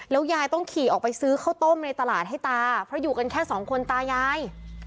ยายต้องขี่ออกไปซื้อข้าวต้มในตลาดให้ตาเพราะอยู่กันแค่สองคนตายาย